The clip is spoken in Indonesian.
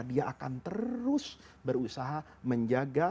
dia akan terus berusaha menjaga